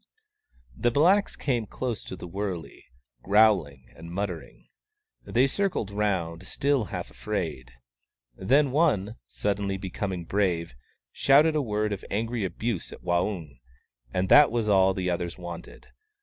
The blacks came close to the wurley, growling and muttering. They circled round, still half afraid. Then one, suddenly becoming brave, shouted a word of angry abuse at Waung ; and that was all the others wanted.